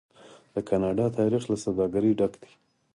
د کاناډا تاریخ له سوداګرۍ ډک دی.